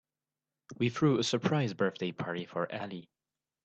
We threw a surprise birthday party for Ali.